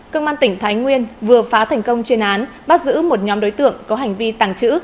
công an tỉnh thái nguyên vừa phá thành công chuyên án bắt giữ một nhóm đối tượng có hành vi tàng trữ